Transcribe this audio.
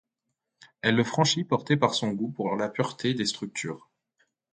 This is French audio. Elle le franchit portée par son goût pour la pureté des structures.